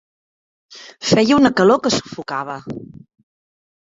Feia una calor que sufocava.